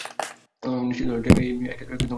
নিশ্চিত হলো এই যে, একে মারফু আখ্যা দেয়া ভুল।